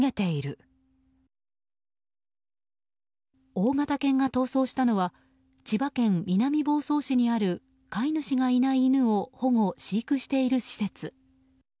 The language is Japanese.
大型犬が逃走したのは千葉県南房総市にある飼い主がいない犬を保護・飼育している施設。